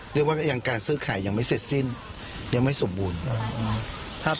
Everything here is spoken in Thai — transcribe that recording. เรียกว่ายังการซื้อขายยังไม่เสร็จสิ้นยังไม่สมบูรณ์